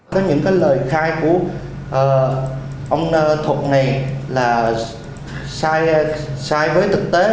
có những cái lời khai của ông thuật này là sai với thực tế